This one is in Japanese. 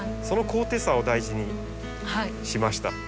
その高低差を大事にしました。